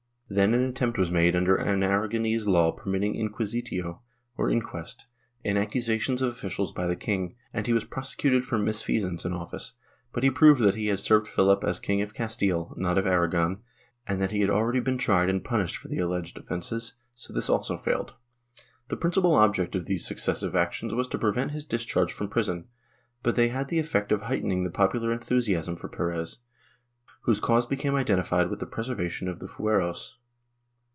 Then an attempt was made under an Aragonese law permitting inqui sitio or inquest, in accusations of officials by the king, and he was prosecuted for misfeasance in office, but he proved that he had served Philip as King of Castile, not of Aragon, and that he had already been tried and punished for the alleged offences, so this also failed. The principal object of these successive actions was to prevent his discharge from prison, but they had the effect of heightening the popular enthusiasm for Perez, whose cause became identified with the preservation of the fueros.